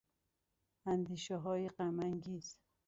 اندیشههای غم انگیز